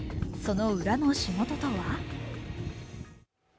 その裏の仕事とは？